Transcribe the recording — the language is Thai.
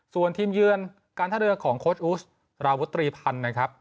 ส่วนทีมเยือนการท่าเรือของโค้ดอุสราวุตรีพันธ์นะครับ